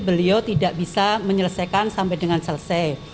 beliau tidak bisa menyelesaikan sampai dengan selesai